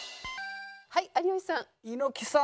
はい有吉さん。